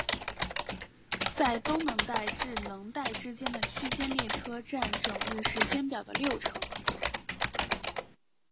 在东能代至能代之间的区间列车占整日时间表的六成。